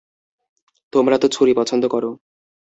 তোমরা তো ছুরি পছন্দ করো।